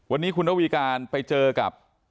วันนี้คุณระวีการไปเจอกับ